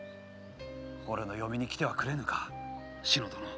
俺の嫁に来てはくれぬか志乃殿。